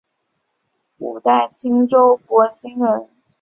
五代青州博兴人。